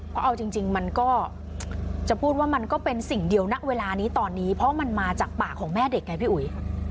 เพราะเอาจริงมันก็จะพูดว่ามันก็เป็นสิ่งเดียวณเวลานี้ตอนนี้เพราะมันมาจากปากของแม่เด็กไงพี่อุ๋ย